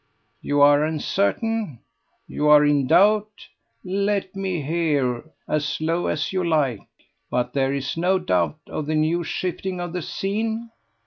You are uncertain? You are in doubt? Let me hear as low as you like. But there is no doubt of the new shifting of the scene?